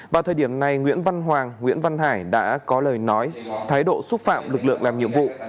vào thời điểm này nguyễn văn hoàng nguyễn văn hải đã có lời nói thái độ xúc phạm lực lượng làm nhiệm vụ